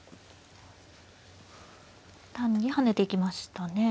単に跳ねていきましたね。